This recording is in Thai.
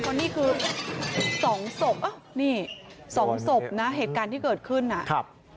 เพราะนี่คือสองศพอ่ะนี่สองศพนะเหตุการณ์ที่เกิดขึ้นอ่ะครับ